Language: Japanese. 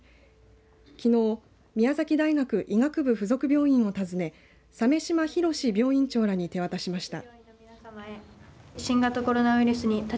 きのう宮崎大学医学部附属病院を訪ね鮫島浩病院長らに手渡しました。